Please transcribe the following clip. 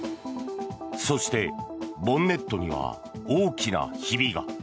そして、ボンネットには大きなひびが。